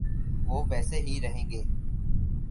‘وہ ویسے ہی رہیں گے۔